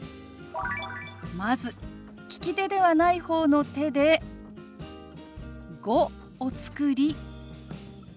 まず利き手ではない方の手で「５」を作り